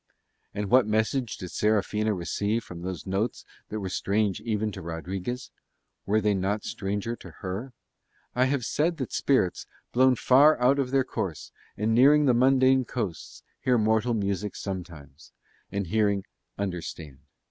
And what message did Serafina receive from those notes that were strange even to Rodriguez? Were they not stranger to her? I have said that spirits blown far out of their course and nearing the mundane coasts hear mortal music sometimes, and hearing understand.